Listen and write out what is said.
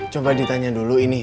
coba ditanya dulu ini